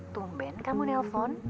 tumben kamu nelfon